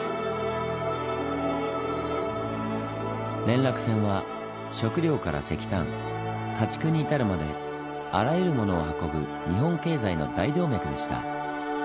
連絡船は食料から石炭家畜に至るまであらゆるものを運ぶ日本経済の大動脈でした。